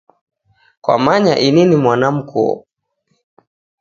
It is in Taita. Kwamanya ini ni mwana mkoo